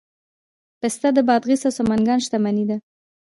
پسته د بادغیس او سمنګان شتمني ده.